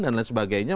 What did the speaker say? dan lain sebagainya